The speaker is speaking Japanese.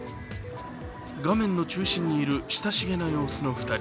画面の中心にいる親しげな様子の２人。